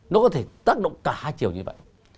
nó có thể tác động cả hai chiều như vậy